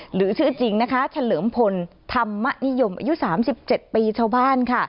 หรือชื่อจริงนะคะเฉลิมพลธรรมนิยมอายุ๓๗ปีชาวบ้านค่ะ